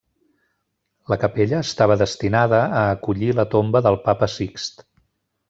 La capella estava destinada a acollir la tomba del papa Sixt.